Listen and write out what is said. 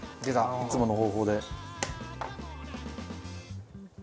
いつもの方法で。